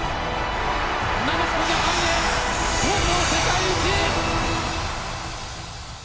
なでしこジャパンでとうとう世界一！